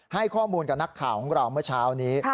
ให้ข้อมูลกับนักข่าวของเราเมื่อเช้านี้